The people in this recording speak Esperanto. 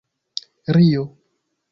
rio